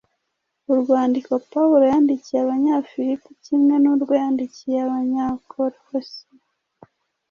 Urwandiko Pawulo yandikiye Abanyafilipi, kimwe n’urwo yandikiye Abanyakolosi,